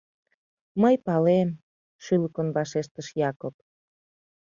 — Мый палем, — шӱлыкын вашештыш Якоб.